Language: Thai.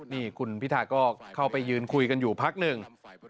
นี่คุณพิธาก็เข้าไปยืนคุยกันอยู่พักหนึ่ง